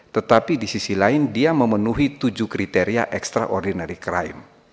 tetapi di sisi lain dia memenuhi tujuh kriteria extraordinary crime